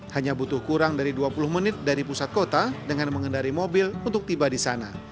hanya butuh kurang dari dua puluh menit dari pusat kota dengan mengendari mobil untuk tiba di sana